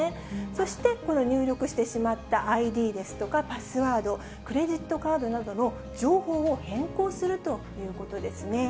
そしてこの入力してしまったＩＤですとかパスワード、クレジットカードなどの情報を変更するということですね。